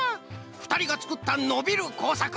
ふたりがつくったのびるこうさく